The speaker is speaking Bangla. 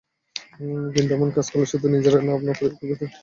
কিন্তু এমন কাজ করলে, শুধু নিজেরই না আপনার পরিবারকেও বিপদে ফেলবে।